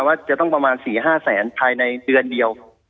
ว่าจะต้องประมาณ๔๕แสนภายในเดือนเดียว